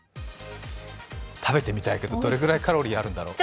食べてみたいけど、どれぐらいカロリーがあるんだろう。